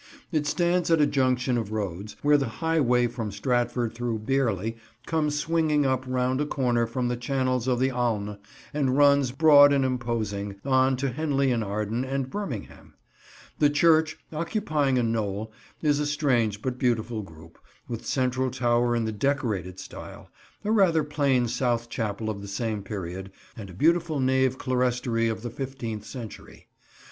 It stands at a junction of roads, where the highway from Stratford through Bearley comes swinging up round a corner from the channels of the Alne, and runs, broad and imposing, on to Henley in Arden and Birmingham. The church, occupying a knoll, is a strange but beautiful group, with central tower in the Decorated style, a rather plain south chapel of the same period, and a beautiful nave clerestory of the fifteenth century.